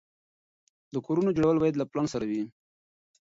د کورونو جوړول باید له پلان سره وي.